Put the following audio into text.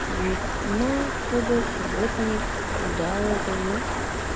Вӱма тудо — субботник, уда огыл, но...